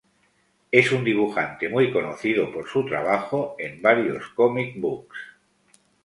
Es un dibujante muy conocido por su trabajo en varios comic books.